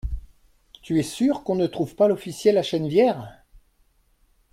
Tu es sûre qu'on ne trouve pas l'Officiel à Chennevières ?